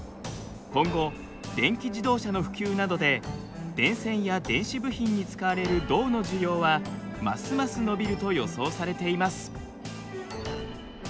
今後電気自動車の普及などで電線や電子部品に使われる銅の需要はますます伸びると予想されています。